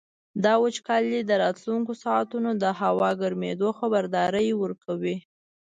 دا وچوالی د راتلونکو ساعتونو د هوا ګرمېدو خبرداری راکاوه.